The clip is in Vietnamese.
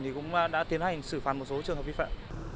cũng đã tiến hành xử phạt một số trường hợp vi phạm